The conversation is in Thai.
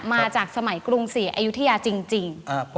มาจากสมัยกรุงศรีอยุธยาจริง